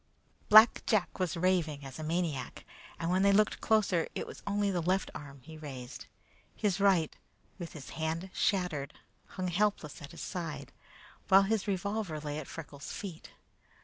Black Jack was raving as a maniac, and when they looked closer it was only the left arm that he raised. His right, with the hand shattered, hung helpless at his side, while his revolver lay at Freckles' feet.